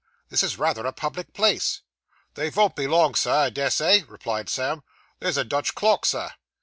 This is rather a public place.' 'They von't be long, Sir, I des say,' replied Sam. 'There's a Dutch clock, sir.